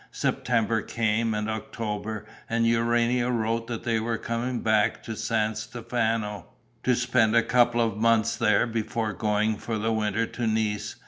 September came and October; and Urania wrote that they were coming back to San Stefano, to spend a couple of months there before going for the winter to Nice.